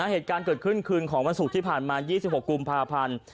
เหตุการณ์เกิดขึ้นคืนของวันศุกร์ที่ผ่านมา๒๖กุมภาพันธ์